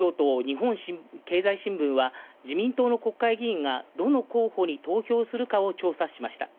こうしたなか、テレビ東京と日本経済新聞は自民党の国会議員がどの候補に投票するかを調査しました。